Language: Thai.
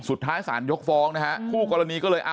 สุดท้ายสารยกฟ้องนะฮะคู่กรณีก็เลยเอา